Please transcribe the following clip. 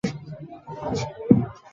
罗马的危险已经结束。